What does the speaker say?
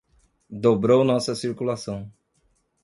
Dobrou nossa circulação.